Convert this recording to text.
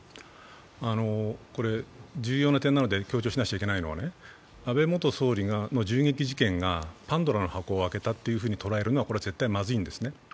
重要展なので強調しないといけないのは、安倍元総理の銃撃事件がパンドラの箱を開けたと捉えるのは非常にまずいんですね。